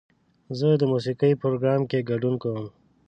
زه د موسیقۍ پروګرام کې ګډون کوم.